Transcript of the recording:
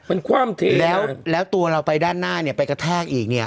มันคว่ำเทแล้วแล้วตัวเราไปด้านหน้าเนี่ยไปกระแทกอีกเนี่ย